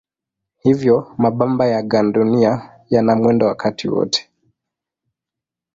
Hivyo mabamba ya gandunia yana mwendo wakati wote.